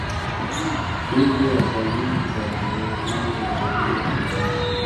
Hivyo wataalamu kwa makini wanafasiri matokeo ya jaribio hilo